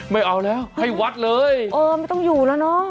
ไม่เอาแล้วให้วัดเลยเออไม่ต้องอยู่แล้วเนอะ